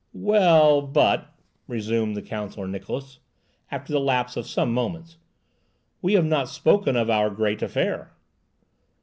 "Well, but," resumed the Counsellor Niklausse, after the lapse of some moments, "we have not spoken of our great affair!"